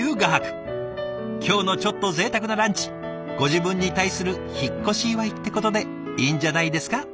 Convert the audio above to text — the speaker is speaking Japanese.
今日のちょっとぜいたくなランチご自分に対する引っ越し祝ってことでいいんじゃないですか。